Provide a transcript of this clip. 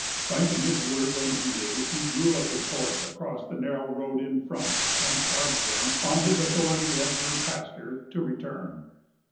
Finding his words unheeded, he drew up his horse across the narrow road in front, and charged them, on his authority as their pastor, to return.